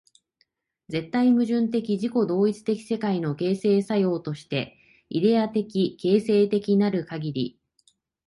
絶対矛盾的自己同一的世界の形成作用として、イデヤ的形成的なるかぎり、